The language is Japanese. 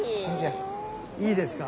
いいですか？